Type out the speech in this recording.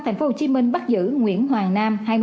thành phố hồ chí minh bắt giữ nguyễn hoàng nam